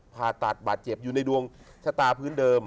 ผ่าตัดบาดเจ็บอยู่ในดวงชะตาพื้นเดิม